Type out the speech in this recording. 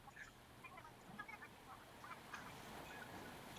布卢里奇是一个位于美国乔治亚州范宁县的城市。